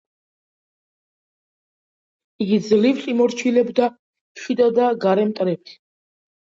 იგი ძლივს იმორჩილებდა შიდა და გარე მტრებს.